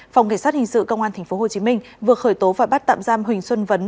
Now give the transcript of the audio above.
phòng cảnh sát hình sự công an tp hcm vừa khởi tố và bắt tạm giam huỳnh xuân vấn